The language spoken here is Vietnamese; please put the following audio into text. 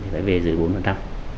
phải về giữa bốn tám